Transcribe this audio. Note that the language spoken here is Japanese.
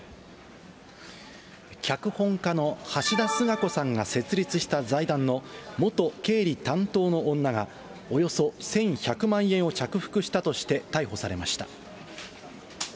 脚本家の橋田壽賀子さんが設立した財団の元経理担当の女が、およそ１１００万円を着服したとして逮捕されました。